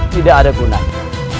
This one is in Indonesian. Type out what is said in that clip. tidak ada gunanya